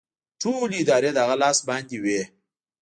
ټولې ادارې د هغه لاس باندې وې